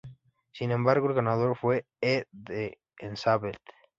Sin embargo, el ganador fue "E" de Enslaved.